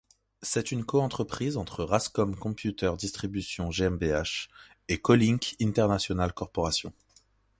C'est une coentreprise entre Rascom Computer Distribution GmbH et Kolink International Corporation.